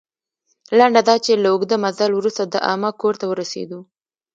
لنډه دا چې، له اوږده مزل وروسته د عمه کور ته ورسېدو.